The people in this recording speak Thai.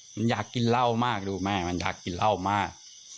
มันอยากกินเหล้ามากดูแม่มันอยากกินเหล้ามาก